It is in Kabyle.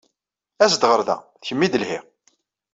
As-d ɣer da! D kemm ay d-lhiɣ.